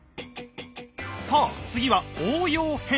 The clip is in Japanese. さあ次は応用編。